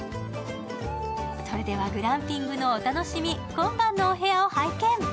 それではグランピングのお楽しみ、今晩のお部屋を拝見。